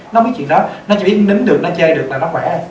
nó biết chuyện đó nó chỉ biết đứng được nó chơi được là nó khỏe